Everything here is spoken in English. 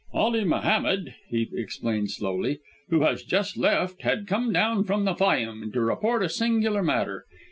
"Ali Mohammed," he explained slowly, "who has just left, had come down from the Fayûm to report a singular matter.